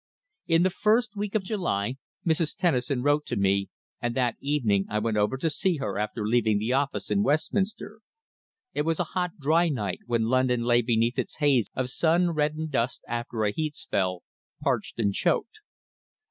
In the first week of July Mrs. Tennison wrote to me, and that evening I went over to see her after leaving the office in Westminster. It was a hot dry night when London lay beneath its haze of sun reddened dust after a heat spell, parched and choked.